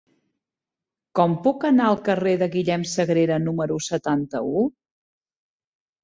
Com puc anar al carrer de Guillem Sagrera número setanta-u?